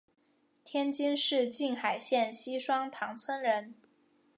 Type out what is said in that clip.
天津市静海县西双塘村人。